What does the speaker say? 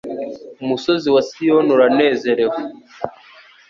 umusozi wa Siyoni uranezerewe